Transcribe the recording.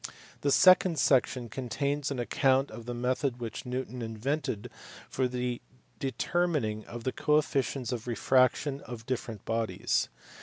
The second section contains an account of the method which Newton invented for the deter mining the coefficients of refraction of different bodies.